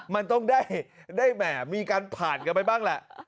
มันต้องได้มีการผ่านกันไปบ้างแหละ